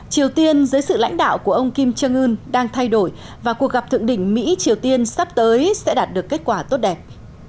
triều tiên dưới sự lãnh đạo của ông kim jong un đang thay đổi và cuộc gặp thượng đỉnh mỹ triều tiên sắp tới sẽ đạt được kết quả tốt đẹp